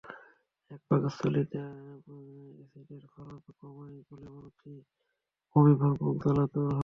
এটি পাকস্থলীতে অ্যাসিডের ক্ষরণ কমায় বলে অরুচি, বমিভাব, বুক জ্বালা দূর হয়।